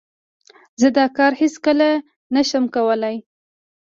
زه دا کار هیڅ کله نه شم کولای.